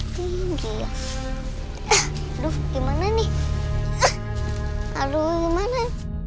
tinggi ya aduh gimana nih aduh gimana